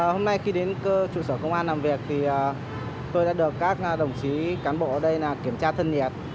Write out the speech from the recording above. hôm nay khi đến trụ sở công an làm việc thì tôi đã được các đồng chí cán bộ ở đây kiểm tra thân nhiệt